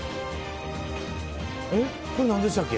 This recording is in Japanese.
これ何でしたっけ？